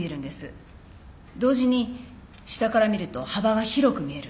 同時に下から見ると幅が広く見える。